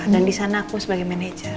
dan di sana aku sebagai manajer